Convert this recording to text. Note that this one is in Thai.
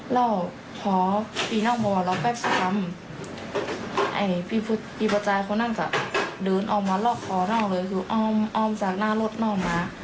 แล้วพอปีนอกบ่วนแล้วแป๊บซะครำพิพัฒนาก็จะเดินออกมาลอกคอนอกเลยอ้อมจากหน้ารถนอกมา